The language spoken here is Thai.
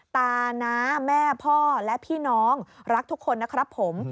ตาน้าแม่พ่อและพี่น้องรักทุกคนนะครับผม